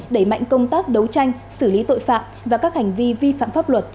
đẩy mạnh công tác đấu tranh xử lý tội phạm và các hành vi vi phạm pháp luật